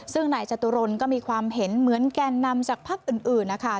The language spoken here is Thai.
ซึ่งนายจตุรนก็มีความเห็นเหมือนแก่นนำจากภักดิ์อื่นนะคะ